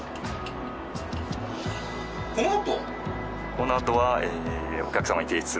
このあとは。